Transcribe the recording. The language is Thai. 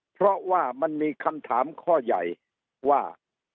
เพราะว่ามันมีคำถามข้อใหญ่ว่า